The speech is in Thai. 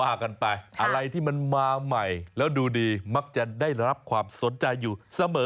ว่ากันไปอะไรที่มันมาใหม่แล้วดูดีมักจะได้รับความสนใจอยู่เสมอ